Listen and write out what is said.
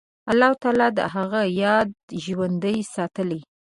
الله تعالی د هغه یاد ژوندی ساتلی.